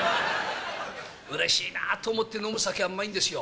うれしいなと思って飲む酒はうまいんですよ。